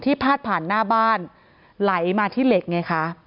พาดผ่านหน้าบ้านไหลมาที่เหล็กไงคะ